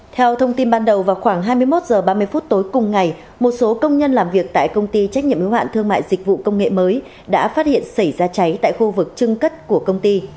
theo thông tin ban đầu vào khoảng hai mươi một h ba mươi phút tối cùng ngày một số công nhân làm việc tại công ty trách nhiệm yếu hạn thương mại dịch vụ công nghệ mới đã phát hiện xảy ra cháy tại khu vực trưng cất của công ty